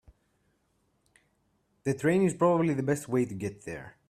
The train is probably the best way to get there.